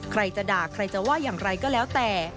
ใครจะด่าใครจะว่าอย่างไรก็แล้วแต่